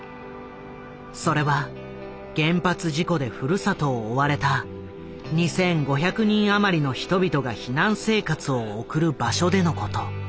それは原発事故でふるさとを追われた２，５００人余りの人々が避難生活を送る場所でのこと。